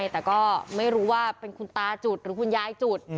แต่ก็ไม่รู้ว่าเป็นคุณตาจุดหรือคุณยายจุด